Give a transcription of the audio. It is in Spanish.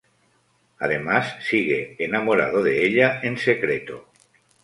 Además sigue enamorado de ella en secreto.